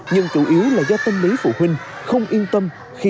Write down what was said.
nhưng chủ yếu là do tâm lý phụ huynh